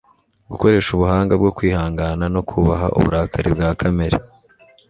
gukoresha ubuhanga bwo kwihangana no kubaha uburakari bwa kamere